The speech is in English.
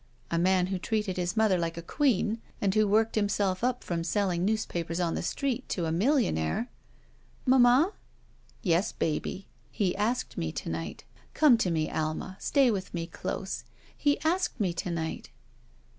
A man who treated his mother like a queen and who worked himself up from selling newspapers on the street to a million aire." "Mamma?" "Yes, baby. He asked me to night. Come to me^ Alma; stay with me close. He asked me to night."